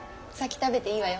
食べていいのよ。